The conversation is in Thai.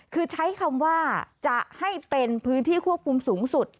คือใช้คำว่าจะให้เป็นพื้นที่ควบคุมสูงสุด